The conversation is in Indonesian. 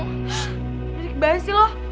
ssshhh dari kebiasi loh